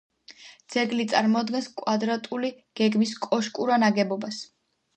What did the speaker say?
ძეგლი წარმოადგენს კვადრატული გეგმის კოშკურა ნაგებობას.